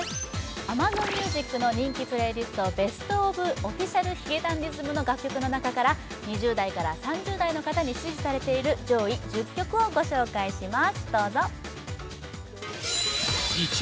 ＡｍａｚｏｎＭｕｓｉｃの人気プレーリスト「ＢｅｓｔｏｆＯｆｆｉｃｉａｌ髭男ｄｉｓｍ」の中から２０代らか３０代の方に支持されている上位１０曲をご紹介します。